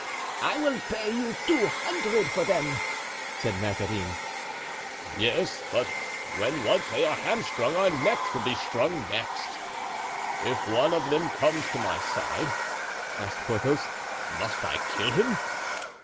"I will pay you two hundred for them," said Mazarin. "Yes, but when once they are hamstrung, our necks will be strung next." "If one of them comes to my side," asked Porthos, "must I kill him?"